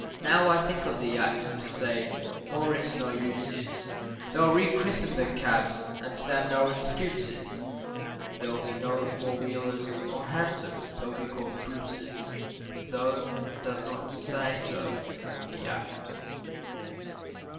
Now I think of the Act to say more it no use is, They'll rechristen the cabs, & stand no excuses, There'll be no four wheelers or hansoms, they'll all be called Bruce's, Tho' it does not say so in the act.